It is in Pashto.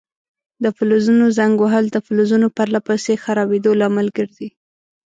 د فلزونو زنګ وهل د فلزونو پر له پسې خرابیدو لامل ګرځي.